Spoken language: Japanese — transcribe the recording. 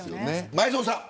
前園さん